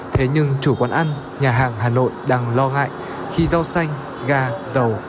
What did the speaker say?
thế nhưng chủ quán ăn nhà hàng hà nội đang lo ngại khi rau xanh ga dầu